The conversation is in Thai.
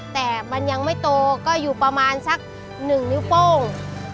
แต่มันยังไม่โตก็อยู่ประมาณสัก๑นิ้วโป้ง